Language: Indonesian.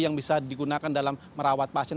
yang bisa digunakan dalam merawat pasien